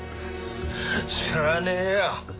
知らねえよ。